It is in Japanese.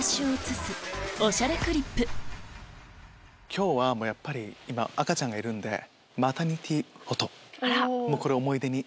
今日はやっぱり今赤ちゃんがいるんでマタニティーフォトこれを思い出に。